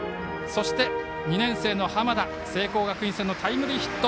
２年生の濱田聖光学院戦のタイムリーヒット。